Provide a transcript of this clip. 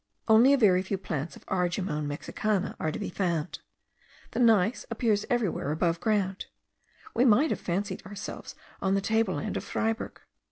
Only a very few plants of Argemone mexicana are to be found. The gneiss appears everywhere above ground. We might have fancied ourselves on the table land of Freiberg.